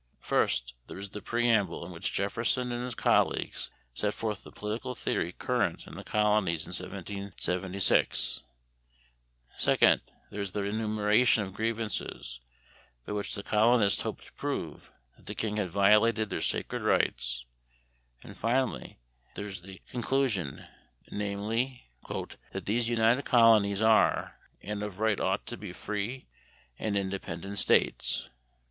First, there is the preamble in which Jefferson and his colleagues set forth the political theory current in the colonies in 1776; second, there is the enumeration of grievances by which the colonists hoped to prove that the king had violated their sacred rights, and finally there is the conclusion, namely, "That these United Colonies are, and of right ought to be free and independent states."